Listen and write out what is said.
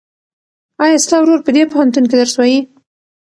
ایا ستا ورور په دې پوهنتون کې درس وایي؟